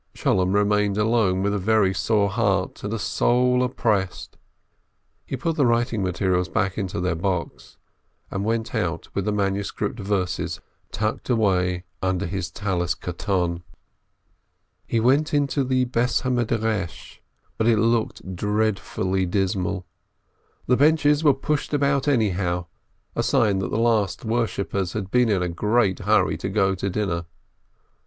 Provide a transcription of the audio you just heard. Sholem remained alone with a very sore heart and a soul opprest. He put the writing materials back into their box, and went out with the manuscript verses tucked away under his Tallis koton. He went into the house of study, but it looked dread fully dismal ; the benches were pushed about anyhow, THE EAV AND THE EAV'S SON 441 a sign that the last worshippers had been in a great hurry to go home to dinner.